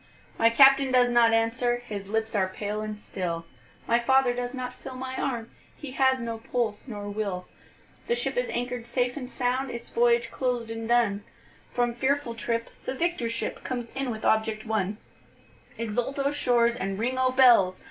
My Captain does not answer, his lips are pale and still, My father does not feel my arm, he has no pulse nor will, The ship is anchor'd safe and sound, its voyage closed and done, From fearful trip the victor ship comes in with object won; Exult O shores and ring O bells!